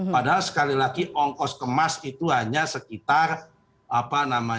padahal sekali lagi ongkos kemas itu hanya sekitar rp satu lima ratus